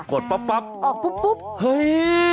ของเฮ้ย